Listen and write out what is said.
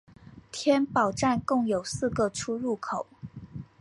天宝站共有四个出入口。